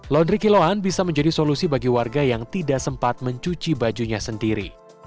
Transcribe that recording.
laundry kiloan bisa menjadi solusi bagi warga yang tidak sempat mencuci bajunya sendiri